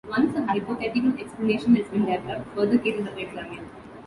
Once a hypothetical explanation has been developed further cases are examined.